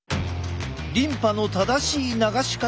リンパの正しい流し方とは？